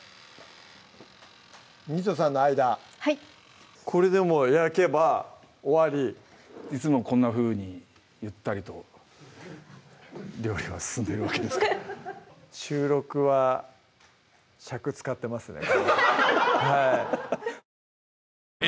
はいこれでもう焼けば終わりいつもこんなふうにゆったりと料理は進んでるわけですか収録は尺使ってますね